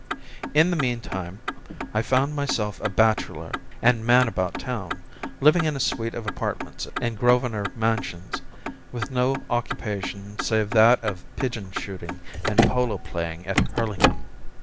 In the meantime, I found myself a bachelor and man about town, living in a suite of apartments in Grosvenor Mansions, with no occupation save that of pigeon shooting and polo playing at Hurlingham.